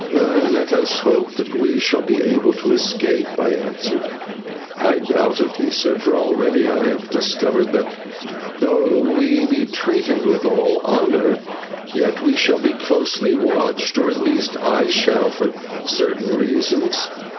"Let us hope that we shall be able to escape," I answered. "I doubt it," he said, "for already I have discovered that, though we be treated with all honour, yet we shall be closely watched, or at least I shall, for certain reasons.